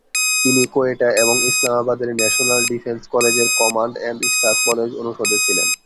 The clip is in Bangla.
তিনি কোয়েটা এবং ইসলামাবাদের ন্যাশনাল ডিফেন্স কলেজের কমান্ড অ্যান্ড স্টাফ কলেজ অনুষদে ছিলেন।